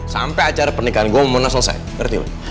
sampai acara pernikahan gue mau menang selesai ngerti lo